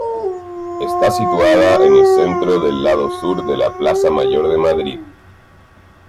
Está situada en el centro del lado sur de la plaza Mayor de Madrid.